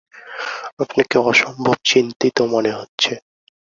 আপনাকে অসম্ভব চিন্তিত মনে হচ্ছে।